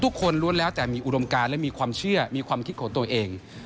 ล้วนแล้วแต่มีอุดมการและมีความเชื่อมีความคิดของตัวเอง